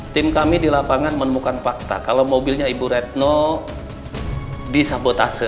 tim kami di lapangan menemukan fakta kalau mobilnya ibu retno disabotase